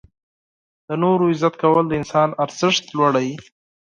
• د نورو عزت کول د انسان ارزښت لوړوي.